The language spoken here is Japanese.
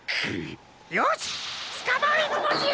よしつかまえるのじゃ！